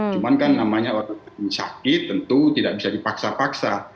cuman kan namanya orang sakit tentu tidak bisa dipaksa paksa